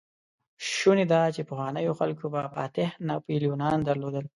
شونې ده، چې پخوانيو خلکو به فاتح ناپليونان درلودل.